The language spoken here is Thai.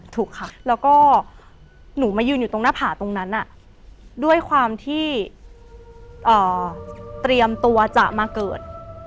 ถูกค่ะแล้วก็หนูมายืนอยู่ตรงหน้าผ่าตรงนั้นด้วยความที่เตรียมตัวจะมาเกิด